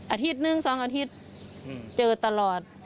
อาทิตย์หนึ่ง๒อาทิตย์เจอตลอด